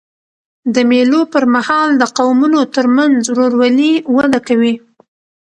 د مېلو پر مهال د قومونو ترمنځ ورورولي وده کوي.